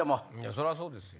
そりゃそうですよ。